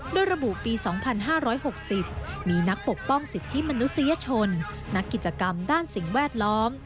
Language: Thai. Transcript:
โดยระบุปี๒๕๖๐มีนักปกป้องสิทธิมนุษยชนนักกิจกรรมด้านสิ่งแวดล้อม